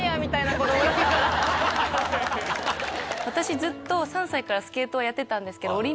私ずっと３歳からスケートをやってたんですけど。